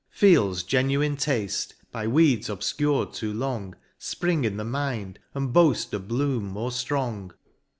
Feels genuine tafte, by weeds obfcur'd too long, Spring in the mind, and boaft a bloom more ftrong.